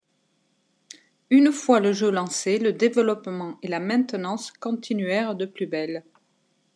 Une fois le jeu lancé, le développement et la maintenance continuèrent de plus belle.